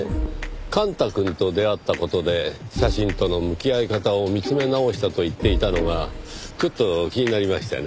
幹太くんと出会った事で写真との向き合い方を見つめ直したと言っていたのがちょっと気になりましてね。